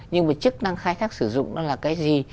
nhưng mà chức năng khai thác sử dụng nó là cái gì